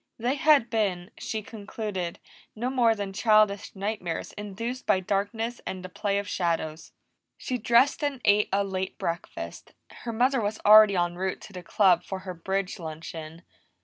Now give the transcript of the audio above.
They had been, she concluded, no more than childish nightmares induced by darkness and the play of shadows. She dressed and ate a late breakfast; her mother was already en route to the Club for her bridge luncheon.